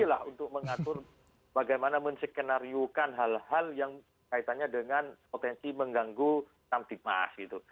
kita kira untuk mengatur bagaimana mensekenariukan hal hal yang kaitannya dengan potensi mengganggu tamfik mas gitu